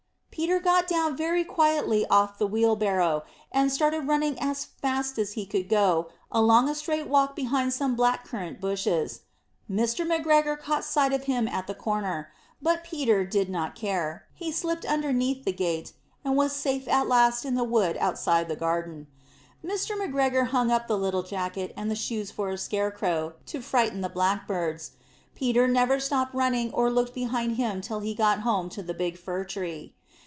Peter got down very quietly off the wheelbarrow, and started running as fast as he could go, along a straight walk behind some black currant bushes. Mr. McGregor caught sight of him at the corner, but Peter did not care. He slipped underneath the gate, and was safe at last in the wood outside the garden. Mr. McGregor hung up the little jacket and the shoes for a scare crow to frighten the Blackbirds. Peter never stopped running or looked behind him till he got home to the big fir tree.